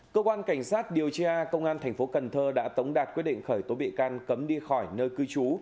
cơ quan cảnh sát điều tra công an thành phố cần thơ đã tống đạt quyết định khởi tố bị can cấm đi khỏi nơi cư trú